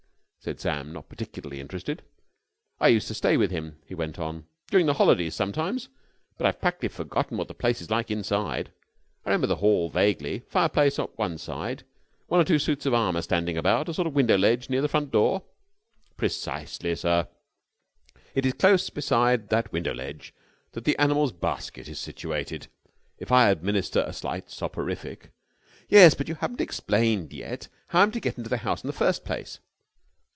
said Sam, not particularly interested. "I used to stay with him," he went on, "during the holidays sometimes, but I've practically forgotten what the place is like inside. I remember the hall vaguely. Fireplace at one side, one or two suits of armour standing about, a sort of window ledge near the front door.." "Precisely, sir. It is close beside that window ledge that the animal's basket is situated. If I administer a slight soporific...." "Yes, but you haven't explained yet how I am to get into the house in the first place."